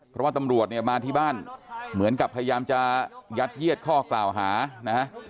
เพราะว่าตำรวจเนี่ยมาที่บ้านเหมือนกับพยายามจะยัดเยียดข้อกล่าวหานะฮะ